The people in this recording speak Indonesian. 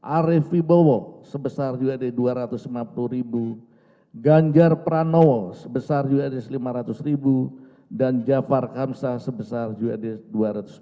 arief vibowo sebesar usd dua ratus lima puluh ganjar pranowo sebesar usd lima ratus dan jafar kamsah sebesar usd dua ratus lima puluh